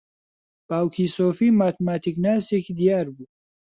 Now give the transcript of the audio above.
باوکی سۆفی ماتماتیکناسێکی دیار بوو.